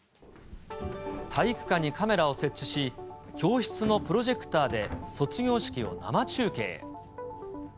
体育館にカメラを設置し、教室のプロジェクターで卒業式を生中継。